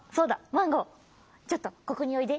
マンゴーちょっとここにおいで。